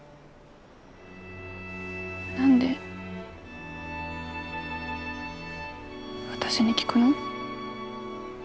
何で私に聞くの？